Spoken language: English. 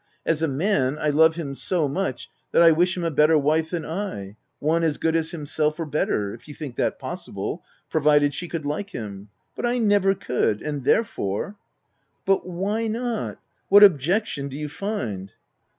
As a man, I love him so much, that I wish him a better wife than I — one as good as himself, or better — if you think that possible — provided, she could like him ;— but I never could, and therefore —"" But why not ? What objection do you find?"